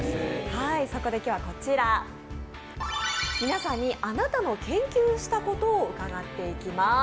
そこで今日はこちら、皆さんにあなたの研究したことを伺っていきます。